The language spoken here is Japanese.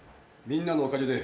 みんなのおかげで。